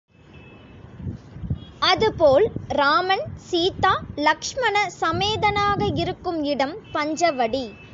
அதுபோல் ராமன் சீதா லக்ஷ்மண சமேதனாக இருக்கும் இடம் பஞ்சவடி.